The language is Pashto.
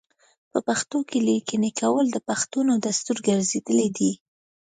په پښتو کې لیکنه کول د پښتنو دستور ګرځیدلی دی.